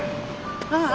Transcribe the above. ああ